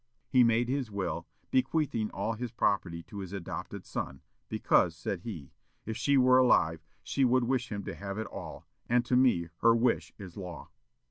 He made his will, bequeathing all his property to his adopted son, because, said he, "If she were alive, she would wish him to have it all, and to me her wish is law."